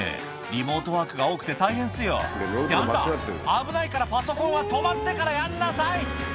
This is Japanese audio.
リモートワークが多くて大変っすよ」ってあんた危ないからパソコンは止まってからやんなさい！